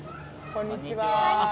こんにちは！